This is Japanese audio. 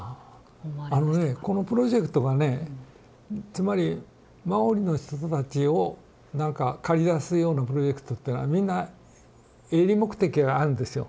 あのねこのプロジェクトがねつまりマオリの人たちをなんか駆り出すようなプロジェクトってのはみんな営利目的があるんですよ